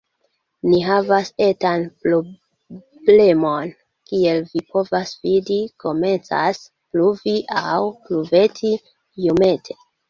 Ni havas etan problemon. Kiel vi povas vidi, komencas pluvi, aŭ pluveti, iomete.